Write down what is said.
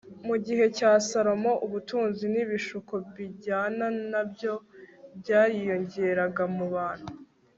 mu gihe cya salomo, ubutunzi n'ibishuko bijyana na bwo bwariyongeraga mu bantu